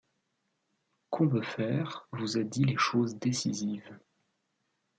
Combeferre vous a dit les choses décisives.